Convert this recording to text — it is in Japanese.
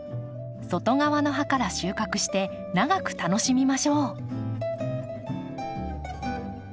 外側の葉から収穫して長く楽しみましょう。